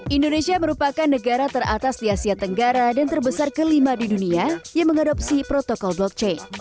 indonesia merupakan negara teratas di asia tenggara dan terbesar kelima di dunia yang mengadopsi protokol blockchain